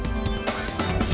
terima kasih pak